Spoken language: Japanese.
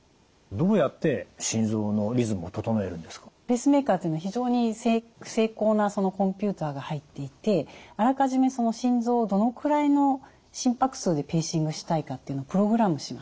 ペースメーカーというのは非常に精巧なコンピューターが入っていてあらかじめその心臓をどのくらいの心拍数でペーシングしたいかっていうのをプログラムします。